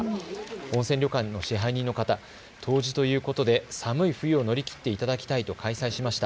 温泉旅館の支配人の方、冬至ということで寒い冬を乗り切っていただきたいと開催しました。